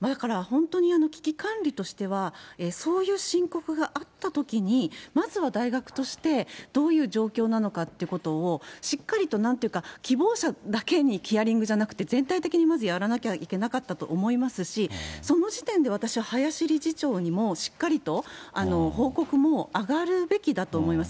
だから本当に危機管理としてはそういう申告があったときに、まずは大学としてどういう状況なのかっていうことを、しっかりと、なんというか、希望者だけにヒアリングじゃなくて、全体的にまずやらなきゃいけなかったと思いますし、その時点で私は、林理事長にもしっかりと報告も上がるべきだと思います。